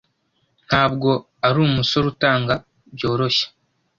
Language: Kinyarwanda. Ntabwo arumusore utanga byoroshye.